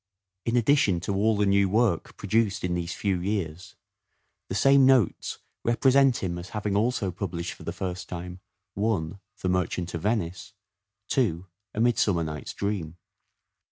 In addition to all the new work produced in these few years the same Notes represent him as having also published for the first time :— 1. The Merchant of Venice. 2. A Midsummer Night's Dream.